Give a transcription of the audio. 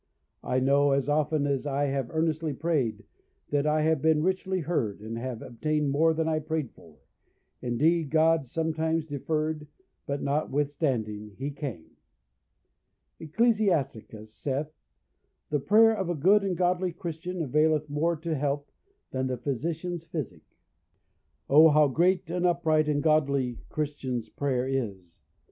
I know, as often as I have earnestly prayed, that I have been richly heard, and have obtained more than I prayed for; indeed, God sometimes deferred, but notwithstanding he came. Ecclesiasticus saith, "The prayer of a good and godly Christian availeth more to health, than the physician's physic." O how great and upright and godly Christian's prayer is!